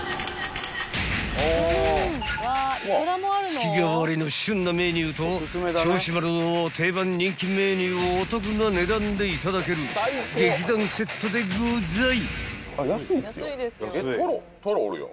［月替わりの旬なメニューと銚子丸の定番人気メニューをお得な値段でいただける劇団セットでござい！］